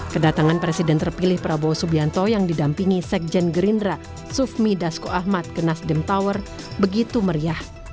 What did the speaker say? kedatangan presiden terpilih prabowo subianto yang didampingi sekjen gerindra sufmi dasko ahmad ke nasdem tower begitu meriah